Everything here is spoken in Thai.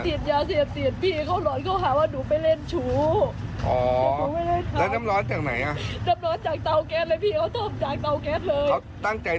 เดือดที่เหลือข้างในก็ใช่